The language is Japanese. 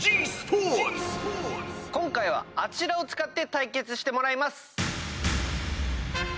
今回はあちらを使って対決してもらいます。